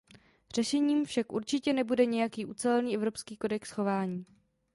Řešením však určitě nebude nějaký ucelený evropský kodex chování.